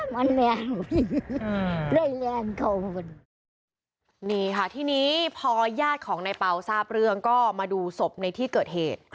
ไม่แล้วนี่ค่ะที่นี้พอย่าของในเปล่าทราบเรืองก็มาดูสมบในที่เกิดเหตุ